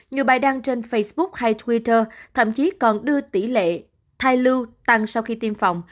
nhiều bài đăng trên facebook hay twitter thậm chí còn đưa tỷ lệ thai lưu tăng sau khi tiêm phòng